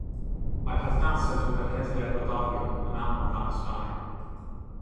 Mae perthnasoedd rhwng yr heddlu a'r brodorion yn aml dan straen.